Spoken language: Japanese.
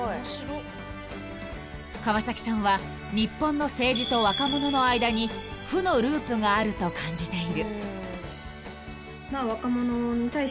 ［川崎さんは日本の政治と若者の間に負のループがあると感じている］